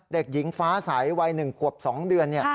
เด็กหญิงฟ้าใสวัย๑ขวบ๒เดือน